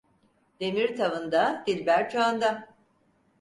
Demir tavında, dilber çağında.